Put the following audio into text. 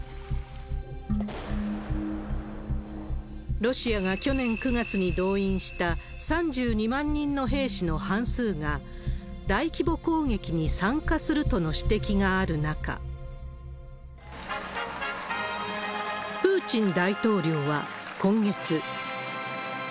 ロシアが去年９月に動員した３２万人の兵士の半数が、大規模攻撃に参加するとの指摘がある中、プーチン大統領は、今月。